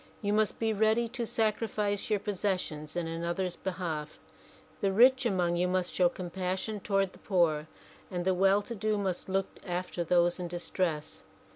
You must be ready to sacrifice your possessions in another's behalf. The rich among you must show compassion toward the poor, and the well to do must look after those in distress.